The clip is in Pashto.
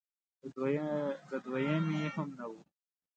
د دویمې هم نه و